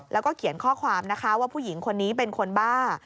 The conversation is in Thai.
แล้วก็เขียนข้อความนะคะว่าผู้หญิงคนนี้เป็นคนบ้า